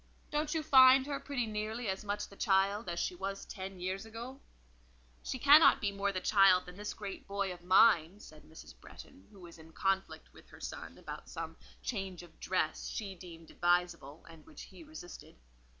Don't you find her pretty nearly as much the child as she was ten years ago?" "She cannot be more the child than this great boy of mine," said Mrs. Bretton, who was in conflict with her son about some change of dress she deemed advisable, and which he resisted.